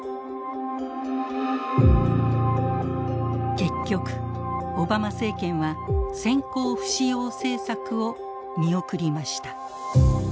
結局オバマ政権は先行不使用政策を見送りました。